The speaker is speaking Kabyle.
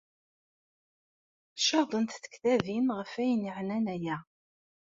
Caḍent tektabin ɣef ayen yeɛnan aya.